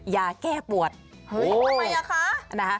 ยาแก้ปวดเห้ยทำไมล่ะคะนะคะ